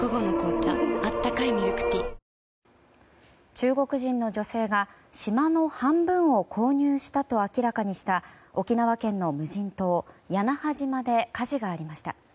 中国人の女性が島の半分を購入したと明らかにした沖縄県の無人島、屋那覇島で火事がありました。